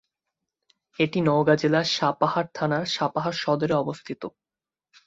এটি নওগাঁ জেলার সাপাহার থানার সাপাহার সদরে অবস্থিত।